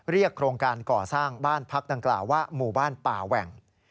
โครงการก่อสร้างบ้านพักดังกล่าวว่าหมู่บ้านป่าแหว่ง